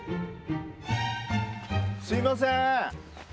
すみません。